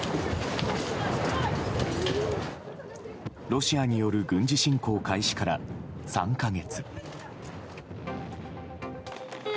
ロシアによる軍事侵攻開始から３か月。